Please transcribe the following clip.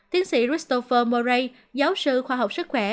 tiến sĩ christopher murray giáo sư khoa học sức khỏe